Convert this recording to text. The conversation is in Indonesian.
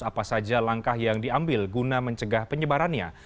apa saja langkah yang diambil guna mencegah penyebarannya